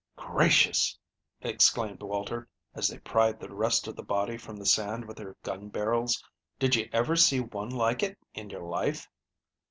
"Gracious!" exclaimed Walter, as they pried the rest of the body from the sand with their gun barrels. "Did you ever see one like it in your life?"